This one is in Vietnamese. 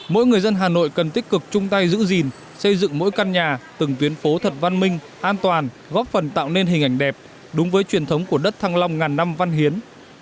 mỗi người dân hà nội cần tích cực chung tay giữ gìn xây dựng mỗi căn nhà từng tuyến phố thật văn minh an toàn góp phần tạo nên hình ảnh đẹp đúng với truyền thống của đất thăng long ngàn năm văn hiến